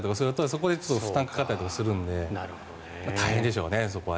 そこで負担がかかったりするので大変でしょうね、そこは。